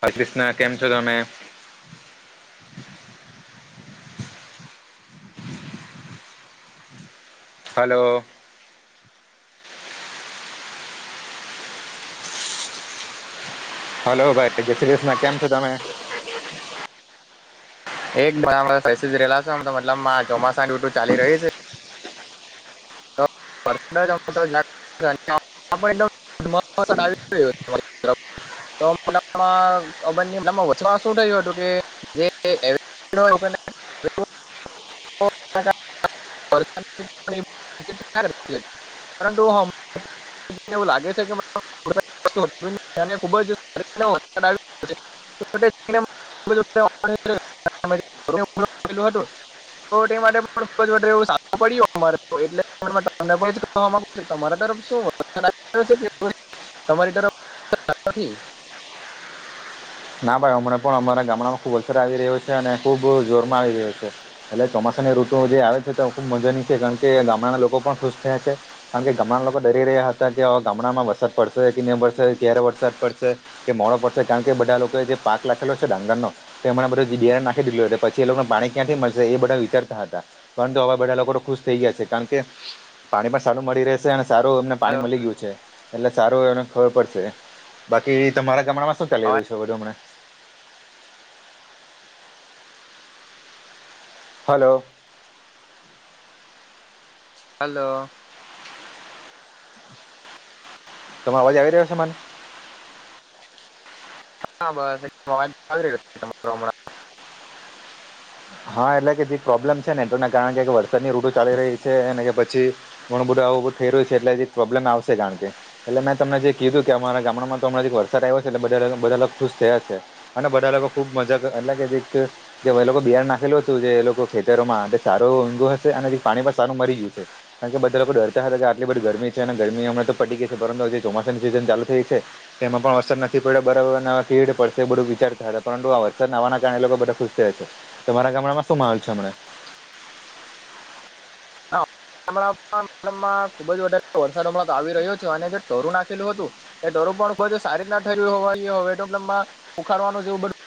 હરે, કૃષ્ણ કેમ છો, તમે હલો હલો, ભાઈ જય શ્રી કૃષ્ણ કેમ છો, તમે [unintelligible] મતલબ આ ચોમાસાની ઋતુ ચાલી રહી છે. [unintelligible] [unintelligible] [unintelligible] [unintelligible] [unintelligible] [unintelligible] પરંતુ હા મને એવું લાગે છે, કે [unintelligible] ખુબ જ વરસાદ આવી રહ્યો છે. [unintelligible] [unintelligible] હતુ, તો તે માટે પણ ખૂબ જ એવો સારો પડ્યો અમારે એટલે તમને પણ એજ કેવા માંગુ છુ, તમારા તરફ શું વરસાદ આવી રહ્યો છે. તમારી, તરફ વરસાદ નથી. [inaudible] ના ભાઈ અમને પણ અમારા ગામડામાં ખુબ વરસાદ આવી રહ્યો છે, અને ખુબ જોરમાં આવી રહ્યો છે, એટલે ચોમાસા અને ઋતુ હજી આવે છે, તે ખુબ મજાની છે. કારણ કે ગામડાના લોકો પણ ખુશ થયા છે, કારણ કે ગામડાના લોકો ડરી રહે હતા, કે ગામડામાં વરસાદ પડશે કે નઈ પડશે ક્યારે વરસાદ પડશે કે મોડો પડશે કારણ કે બધા લોકો જે પાક નાખેલો છે, ડાંગર નો તો એમને બધું જે બિાર નાખી દીધું પછી. એ લોકોને પાણી ક્યાંથી મલશે એ બધા વિચારતા હતા, પરંતુ હવા બધા લોકો ખુશ થઈ ગયા છે. કારણ કે પાણી પણ સારું મળી રહેશે અને સારુ એમને પાણી હલો મળી ગયું છે, એટલે સારુ, એને ખબર પડશે બાકી તમારા ગામડામાં શું ચાલી અવાજ રહ્યું છે, બધું હમને હલો હલો તમરો અવાજ આવી રહ્યો છે મને હા બસ તમારો આવાજ આવી રહ્યો છે તમારો હમણાં હા એટલે કે જે પ્રોબ્લેમ છે ને તેના કારણે કે વરસાદની ઋતુ ચાલી રહી છે અને કે પછી ઘણું બધું આવું બધું થઈ રહ્યું છે એટલે હજી પ્રોબ્લેમ આવશે કારણ કે એટલે મેં તમને જે કીધું કે અમારા ગામડામાં તો હમણાં વરસાદ આઇવો છે એટલે બા બધા લોકો ખુશ થયા છે અને બધા લોકો ખુબ મજા એટલે કે જે જે લોકો બિહાર ના લું હતું જે એ લોકો ખેતરોમાં સારું ઊઘો હશે અને પાણી પણ સાર મરી ગયું છે. કારણ કે બધા લોકો ડરતા આટલી બધ ગરમી છે અને ગરમી હમણા તો પડી ગઈ છે. પરંતુ હ જે ચોમાસાની સીઝન ચાલુ થઈ છે તેમાં પણ અસર નથી ડા બરાબ નવા કીડ પડશે એ બધું વિચારતા હતા. પરંતુ આ વરસાદ નવાના કારણે લોકો બધા ખુશ થયા છે. તમારા ગામડામાં શું માહોલ છે હમને? હમના [inaudible] તલબ માં ખુબ જ વધારે વરસાદ હમણાં આવી રહ્યો છે અને જે ઢરું નાખેલું હતું એ ઢર પણ તો સારી ના થાય હોવા હવે એમાં ઉખાડવાનું એવું બધ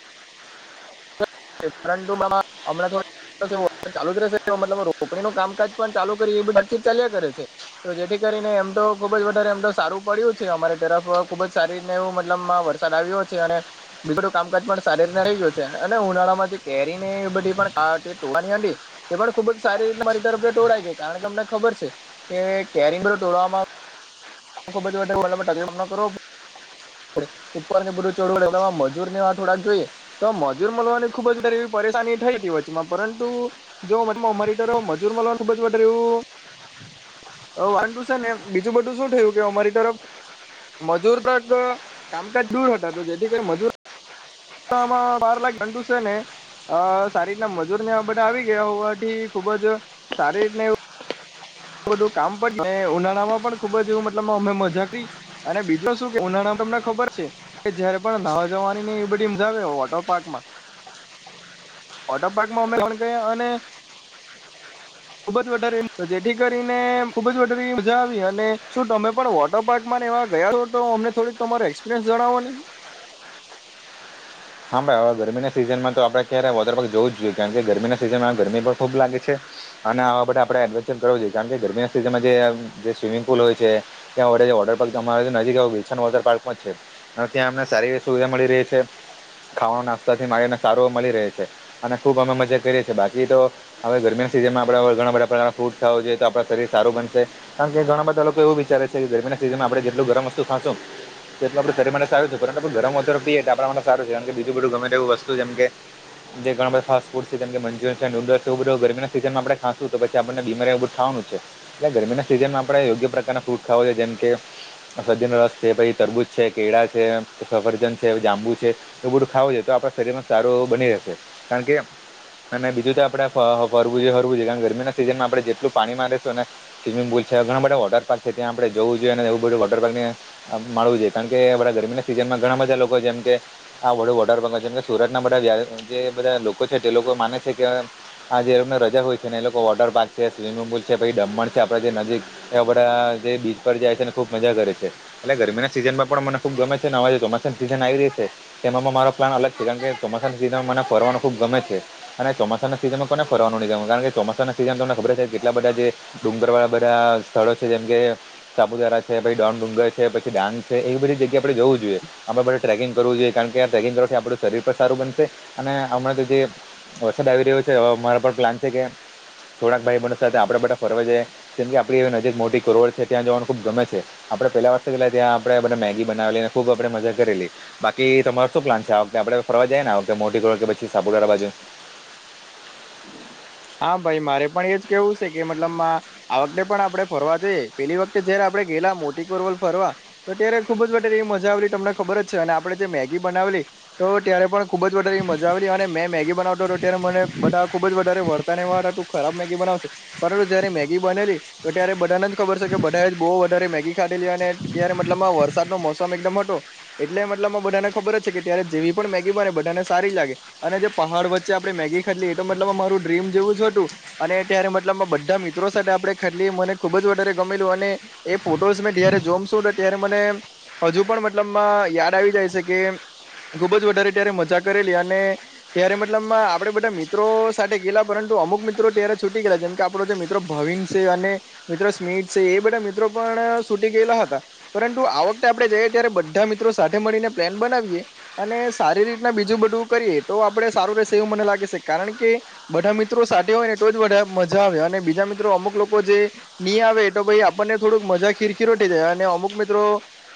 પરંતુ મા હમણાં થોડું સાદ ચાલુ જ રહેશે મતલબ રોપ રોપણી નું કામકાજ પણ ચાલુ કરી એ બધ ચાલ્યા કરે છે. જેથી કરીને એમ તો ખુબ જ વધારે એમ તો સારું પડ્યું છે અમારી તરફ ખુબ જ સારી રીતને એવું મતલબ વરસાદ આવ્યો છે અને બીજું બધું કામકાજ પણ સારી રીત રહી ગયું છે. ઉનાળામાં જે કેરી ને એ બધી પણ આ ટોવાની હતી તે પણ ખુબ જ સારી રીતે મારી તરફ ટોળાય છે કારણ કે અમને ખબર છે કે કેરીન બધું તોડવામાં ખૂબ જ [inaudible] ન કરો ઉપર ને બધું ચડમાં મજૂર ને આ થોડાક જોઈએ તો મજૂર મળવાની ખુબ જ પરેશાની થઈ તી વચમાં પરંતુ જો વચ માં મારી મજૂર મળવાનું ખુબ જ વર્યું હ વાન ટુ છે ને એ બીજું બધું શું થયું અમારી તરફ મજૂર તો એક કામકાજ દૂર હાતો જેથી કરી મજૂર બારલાખ દંડુસેને અ સારી રીતના મજૂર ને બધા આવી ગયા હોવાથી ખુબ જ સારી રીતને એ બધું કામ પન ઉનાળામાં પણ ખુબ જ એવું મતલબ અમે મજા અને બીજો શું ઉના તમને ખબર છે કે જયારે પણ નહવા જવાની ન એ બધી સમજાવે વોટર પાર્કમાં વોટર પાર્કમાં અમે ગયા અને ખુબ જ વધારે કરીને ખુબ જ વધ મજા આવી અને શું તમે પણ વોટર પાર્ક માં રેવા ગયા છો તો અમને તમારે એક્સપીરસ જણાવો ની. [unintelligible] હા ભાઈ હવે ગરમીના સીઝનમાં તો આપડે ક્યારે વોટરપક જવું જ જોઈએ કારણ કે ગરમીના સિઝનમાં ગરમી પણ ખુબ લાગે છે. અને આવા બધા આપણે એડવેન્ચર કરવું જોઈએ. કારણ કે ગરમી સીઝનમાં જે સ્વિમિંગ પુલ હોય છે ત્યા [inaudible] વોટરપાર્ક માં છે ત્યાં મને સારી સુવિધા મળી રહી છે. ખાવા, નાસ્તા થી મારીને સારો મળી રહે છે અને ખુબ અમે મજા કરીએ છીએ બાકી તો હવે ગરમી સીઝન ઘણા બધા પ્રકાર ફૂડ ખ જોઈએ આપ શરીર સારું બનશે કારણ કે ઘણા બધા લોકો એવું વિચારે છે કે ગરમીના સિઝન આપણે જેટલું ગરમ વસ્તુ ખાશુંન એટલ આપણેે શરીર માટે સારું છે. પરંતુ ગરમ વસ્તુ આપડે પીએ સારું છે. કારણ કે બીજું બધું ગમે તેવું વસ્તુ જેમ કે જે ઘણા બધા ફાસ્ટ ફડ સ કે મંચુ રિયન છે નૂડલ છે એ બધું ગરમી ના સીઝન માં આપણે ખાશું તો પી આપને બીમારિ એવ થવા એટલે ગરમીના સિઝનમાં આપણે યોગ્ય પ્રકારના ફ્રૂટ ખાવ જોઈએ જેમ કે સફરજનનો રસ છે, પછી તરબૂજ છે, કેળા છે, સફરજન છે, જાંબુ છે તો બધું ખાવું જોઈએ તો આપણા શરીરમાં સારું એ બની રહેશે. કારણ કે અને બીજું તો આપડે ફરવું ફરવું જો કારણ ગરમીના સીઝનમાં આપણે જેટલું પાણી મારેશું સ્વિમિંગ પુલ ઘણા બધા વોટર પાર્ક છે ત્યાં આપણે જોવું જોઈએ અને એવું બધું વોટર પારકને મળવું જોઈએ. કારણ કે બા ગરમીના સીઝન માં ઘણા બધા લોકો જેમ કે આ વડો વોટાર પગ છેમ કે સુરત ના બધા જે બધા લોકો છે તે લોકો માને છે કે આ જે લોકોને રજા હોય છે ને એ લોકો વોટર પાર્ક છે, સ્વિમિંગ પુલ છે, પછી ડમણ છે આપડ જે નજીક એવા બધા તે બીચ જાય છે અને ખૂબ મજા કરે છે. એટલે ગરમીના સિઝનમાં પણ મને ખૂબ ગમે છે ને અવાજ ચોમાસાની સિઝન આવી રહી છે તેમાં મારો પ્લાન અલગ છે કારણ કે ચોમાસાના સિઝનમાં મને ફરવાનો ખુબ ગમે છે અને ચોમાસાના સીઝનમાં કોને ફર વાનું ની ગમે. કારણ કે ચોમાસા ના સિઝન તમને ખબર છે કેટલા બધા જે ડુંગર વા બધા સ્થળો છે જેમ કે સાપુતારા છે, પછી ડોન ડુંગર છે, પછી ડાંગ છે એ બધી જગ્યા આપડે જવું જોઈએ આપડે બધ ટ્રેકિંગ કરવું જોઈએ કારણ કે આ ટગિન થી આપણું શરીર પણ સારું બનશે અને હમણાં તો જે વરસાદ આવી રહ્યો છે હવે મારા પણ પ્લાન છે કે થોડાક ભાઈ બનો સાથે આપડે બા ફરવા જાયએ કેમ કે આપડી નજીક મોટી કરોડ છે ત્યાં જવાનું ખુબ ગમે છે. આપણેે પહેલા વર તો કેટલા ત્યાં આપણે બ મેગી બનાવેલીનેુબ આપે મજા કરેલી બાકી કે તમારો શું પ્લાન છે આ વખતે આપડે ફરવા જઈએ આ વતે મોટી કોરવાડ કે પછી સાપુતારા બાજુ હમ હા ભાઈ મારે પણ એ જ કેવું છે કે મતલબ આ વખતે પણ આપડણે ફરવા જઈએ પેલી વખતે જયારે આપણેે પેલા મોટી કોરવલ ફરવા તો અત્યારે ખુબ જ વ એવી મજા આવેલી તમને ખબર જ છે અને આપડણે જે મેગી બનાવેલી તો ત્યારે પણ ખુબ જ વધારે મજાલી અને મેં મેગી બનાવતો હતો ત્યારે મને બધા ખુબ જ વધારે વર્તા વા ખરાબ મેગી બનાવશે પરંતુ જયારે મેગી બનેલી તો ત્યારે બધાને જ ખબર છે કે બધા જ બહ વધારે મેગી ખાધીલી અને ત્યારે મતલબ વરસાદ નો મોસમ એકદમ હતો એટલે મતલબ બધાને ખબર છે કે ત્યારે જેવી પણ મેગી બને બધાને સારી લાગે અને જે પહાડ વચ્ચે આપણે મેગ ખાલીએ એ તો મતલબ અ મારું પ્રેમ જેવું જ હતું અને ત્યારે મતલબ બધા મિત્રો સાથે આપણે ખાટલી મને ખૂબ જ વધારે ગમેલું અને એ ફોટોસ મે જારે જોમશું ને ત્યારે મને હજુ પણ મતલબમાં યાદ આવી જાય છે કે ખુબ જ વધારે ત્યારે મજા કરેલી અને ત્યારે મતલબ આપડે બધા મિત્રો સાથે ગલા પરંતુ અમુક મિત્રો ત્યારે છૂટી ગયેલા જેમ કે આપડો જે મિત્રો ભવિન છે અને મિત્રો સ્મિત છે એ બધા મિત્રો પણ સુૂટી ગયેલા હતા પરંતુ આ વખતે આપડણે જઈએ ત્યારે બધા મિત્રો સાથે મળીને પ્લાન બનાવી અને સારી રીતના બીજું બધું કરીએ તો આપડે સારું રહેશે એવું મને લાગે છે કારણ કે બધા મિત્રો સાથે હોય ને એટ જા મજા આવે અને બીજા મિત્રો અમુક લોકો જે નિ આવે તો ભાઈ આપને અને મજા ખીરખીરોટી થાય અને અમુક મિત્રો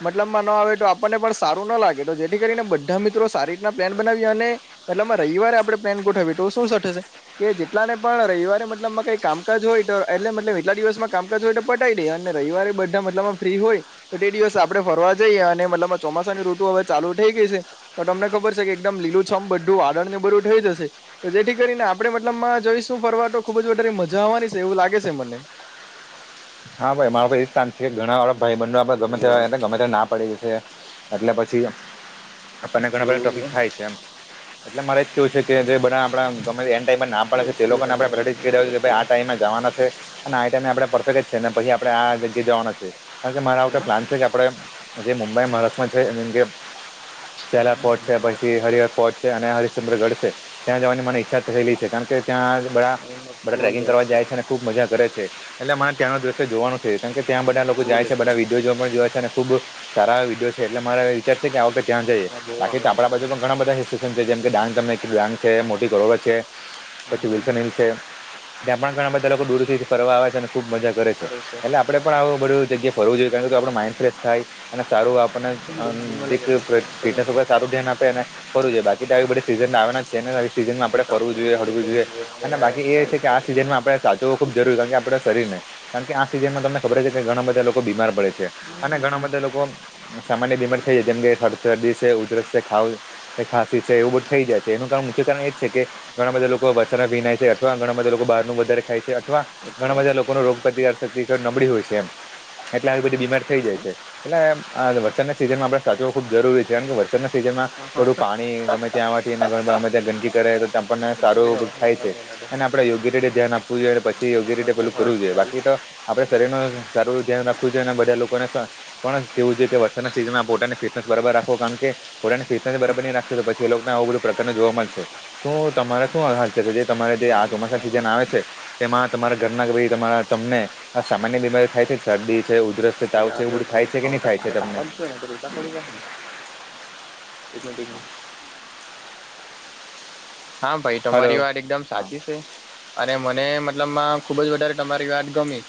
મતલબમાં ના આવે તો આપણને પણ સારું ના લાગે એથી કરીને બધા મિત્રો સારી રીતના પેન બનાવી અને મતલબમાં રવિવારે આપણે પેન ગોઠવીએ તો શું સ થશે કે જેટલાને પણ રવિવારે મતલબ કઈ કામકાજ હોય તો એટલે મતલ એટલા દિવસમાં કામકાજ હોય તો પટાઈ નઈ અને રવિરે બધા મતલબમાં ફ્રી હોય તો એ દિવસ આપડણે ફરવા જઈએ અને મતલબમાં ચોમાસાની રઋતુ હવે ચાલુ થ ગઈ છે તો તમને ખબર છે કે એકદમ લીલું છમ બધું વાદળ ને બધું થઈ જશે તો જેથી કરીને આપે મતલબ માં જઈશું ફરવાટો ખુબ જ વધારે મજા આવવાની છે એવું લાગે છે મને હા ભાઈ મારો તો એ જથાન છે કે ઘણા વાળા ભાઈ બંધ આપ ગમે ત ગમે ત્યારે ના પડી જશે એટલે પછી આપણને ઘણા ઓ બધા ટોફિક થાય છે એમ એટલે મારે જ કેવું છે કે જે બધા આપણા ગમે એન ટાઈમેમમાં ના પાડે છે તે બેસી લોકોને આપણે પહેલાથી જ કહી દ છે કે ભાઈ આ રહ્યા ટાઈમે જવાના છે અને આ ટાઈમે આપણે પરફેક્ટ જ છે ને પછી આપણે આ જગ્યા જવાના છે કારણ કે મારા આવ પ્લાન છે કે આપણે જે મુંબઈ મહારાષ્ટ્રમાં છે એમ કે હમ, ચેલા ફોર્ટ છે પછી વરસાદ હરિહર આવે ફોર્ટ છે અને હરિશ્ચંદ્ર ગઢ છે ત્યાં જવાની મને ઈચ્છા થયલી છે કારણ કે ત્યાં બા એમાં બધા ફૂલ ટ્રેકિંગ કરવા જાય વરસાદ છે અને ખૂબ મજા કરે છે એટલે મને ત્યાં દ્રશ્યો જોવાનું છે કારણ કે ત્યાં એમને બધા લોકો ફૂલ જાય છે બધા એકદમ વિડીયો જોવા પણ જોાય છે અને ખુબ સારા એટલેરા વિચાર કે આ વખતે ત્યાં જઈએ વચમાં બહુ બાકી આવે તો આપણા એકદમ બાજુ પણ ઘણા બધા હિલ સ્ટેશન છે જેમ કે ડાંગ તમને ડાંગ છે મોટી કરોવર છે હમ પછી હમ વિલ્સન હીર‌ છે ત્યાં પણ ઘણા બધા લોકો દૂરથી ફરવા આવે છે ખૂબ મજા કરે છે એટલે આપણે પણ આવું બધું જગ્યાએ ફરવું જોઈએ કારણ કે આપણું માઇન્ડ ફ્રેશ થાય અને સારું આપ કેમ બેન નિર્મલે દી તમને ફોન કર્યો ફિટનેસ વગર સારું ધ્યાન આપે અને કરવ જોઈએ બાકી બધ સીઝન આવવાના છે ને સિઝનમાં આપણે તો ફવું જોઈએ એટલે તો હળડવું બેન જોઈએ હવે અને બાકી એ છે કે સાઈડ આ પર એટલે સિઝનમાં આપણે સાચવું ખૂબ જરૂરી કારણ કે આપણે કારણ કે આ સીઝનમાં તમને ખબર છે કે ઘણા બધા લોકો બીમાર પડે છે અને ઘણા બધા લોકો સામાન્ય બીમારી થઈ જાયમ કેદી છે ઉધરસ છે ખાવ ખાંસી છે એવું બધુ થઈ જાય છે એનું કાર મુખ્ય કારણ એ જ છે કે ઘણા બધા લોકો વરસાદમાં ભીનાય છે અથવા ઘણા બધા લોકો બહાર ન વધારે ખાય છે અથવા એટલે ત્યાર શક્તિ નબળી હોય છે એમ એટલે આવી બધી બીમારી થઈ જાય છે હમ એટલે આ વરસાદના સિઝનમાં આપડણે સાચવો ખુબ જરૂરી છે કારણ કે વરસાદના જેમાં બધું પાણી ગમે ત્યાંથીમે ત્યાં ગંદકી કરે સારું થાય છે અનેને આપણે યોગ્ય રીતે, ધ્યાન આપવું જોઈએ પછી યોગ્ય રીતે કરવું બાકી તો આપણે શરીરમા સારું ધ્યાન રાખવું જોઈએ અને બધા લોકોને પણ કેવું છે કે વરસાદના સિઝન પોતાની ફિટનેસ બરાબર રાખો કારણ કે પોતાની ફિટનેસ જ બરાબર નહીં રાખશો તો પછી લોકોને આવું બધું પ્રકાર ને જોવા મળશે. તો તમારા શું હ છે? જે તમારે જે આ ચોમાસા સિઝન આવે છે તેમાં તમારા ઘરના કે, તમારા તમને આ સામાન્ય બીમારી થાય છે શરદી? છે ઉધરસ છે તાવ છે એવું બધું થાય છે કે નહી થાય છે તમને [unintelligible] [inaudible] [unintelligible] હા ભાઈ હલો તમારી વાત એકદમ હા સાચી છે અને મન અને મતલબ માં ખુબ જ વધારે તમારી વાત ગમી,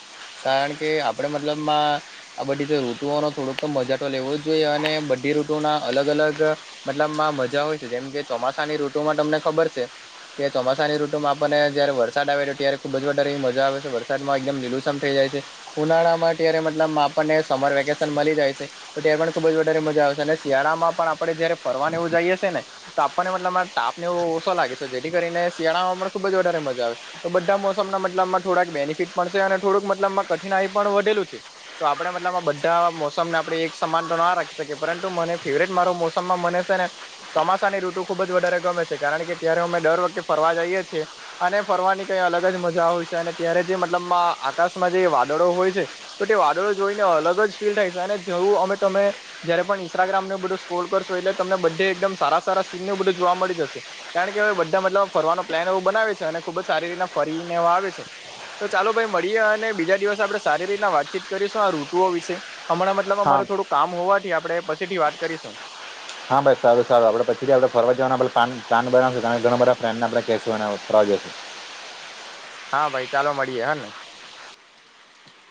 કારણ કે આપડે મતલબમાં આ બધી ઋતુઓનો થોડુંક તો મજા તો લેવો જ જોઈએ અને ઋતુ ના અલગ અલગ મતલબમાં મજા હોય છે, જેમ કે ચોમાસાની ઋતુમાં તમને ખબર છે. કે ચોમાસાની રૂટુ માં આપને જયારે વરસાદ આવે ત્યારે ખુબ જ વધારે એ મજા આવે છે વરસાદ માં એકદમ લીલુસમ થઈ જાય. ઉનાળામાં ત્યારે મતલબ આપણને સમર વેકેશન મળી જાય છે. તો ત્યારે પણ ખુબ જ વધારે મજા આવ અને શિયાળામાં પણ આપડે જયારે ફરવાનું એવું જઈએ શે ને તો આપણને મતલબમા તાપ એવો ઓછો લાગે છે, જેથી કરીને શિયાળામાં પણ ખુબ જ વધારે મજા આવે તો બધા મોસમના મતલબ માં થોડાક બેનિફ પણ અને થોડુંક મતલબમાં કઠિનાઈ પણ વધેલું છે. તો આપડે મતલબ આ બધા મોસમને આપણે એક સમાન તો ના રાખી શકીએ પરંટુ મને ફેવરેટ મારો મોસમમાં મને તેને ચોમાસા ની ઋતુ ખુબ જ વધારે ગમે શે. કારણ કે ત્યારે અમે દર વખતે ફરવા જઈએ છીએ, અને ફરવાની કઈ અલગ જ મજા હોય છે. અને ત્યારે જે મતલબમા આકાશમાં જે વાદળો હોય છે તો, તે વાદળો જોઈને અલગ જ ફીલ થાય છે. અને જેવું અમે ટો તમે, જયારે પણ ઇન્સ્ટાગ્રામ ને બધું સ્કોર કરશો એટલે તમને બધ એકદમ સારા સારા સીનું બધું જોવા મળી જશે. કારણ કે હવે બધા મતલબ ફરવાનો પ્લાન એવું બનાવે છે, અને ખુબ જ સારી રીતના ફરીને એવો આવે છે. તો ચાલો ભાઈ મળીએ અને બીજા દિવસ આપણે સારી રીતના વાતચીત કરીશું આ ઋતુઓ વિશે. હમણાં મતલબ હા અમારે થોડું કામ હોવાથી, આપડે પછીથી વાત કરીશું. હા ભાઈ સારું સારું આપડ પછીથી આપડે ફરવા જવાના પ્લાન પ્લાન બનાવશું તમે ઘણા બધા ફ્રેન્ડને આપણે કહેશું [unintelligible] હા ભાઈ ચાલો મળીએે હ ને,